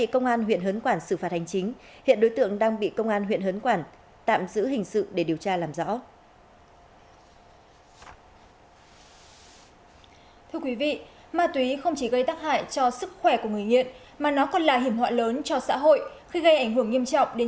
cơ quan huyện hớn quản đã bắt quả tăng đối tượng lê mạnh cường chú tại ấp sáu xã tân hiệp tp hcm trong đó có chứa chất ma túy